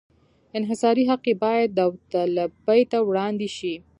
انحصاري حق یې باید داوطلبۍ ته وړاندې شي.